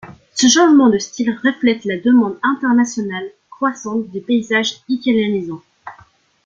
Ce changement de style reflète la demande internationale croissante de paysages italianisants.